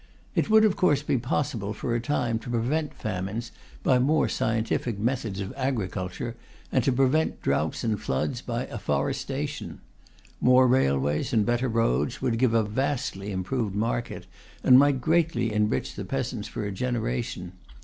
It would of course be possible, for a time, to prevent famines by more scientific methods of agriculture, and to prevent droughts and floods by afforestation. More railways and better roads would give a vastly improved market, and might greatly enrich the peasants for a generation.